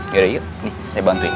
yaudah yuk nih saya bantuin